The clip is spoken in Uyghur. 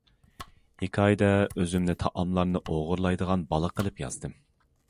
ھېكايىدە ئۆزۈمنى تائاملارنى ئوغرىلايدىغان بالا قىلىپ يازدىم.